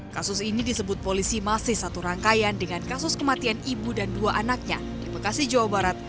kasus ini disebut polisi masih satu rangkaian dengan kasus kematian ibu dan dua anaknya di bekasi jawa barat